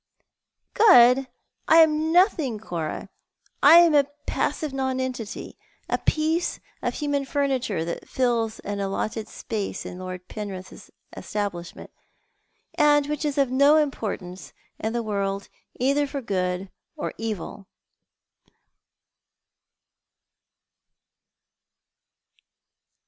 " Good ! I am nothing, Cora ; a passive nonentity ; a piece of human furniture that fills an allotted space in Lord Penrith's establishment, and which is of no importance in the world either for good or evil."